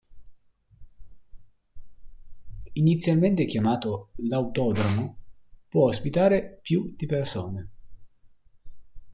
Inizialmente chiamato "L'Autódromo", può ospitare più di persone.